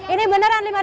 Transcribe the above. ini beneran lima kak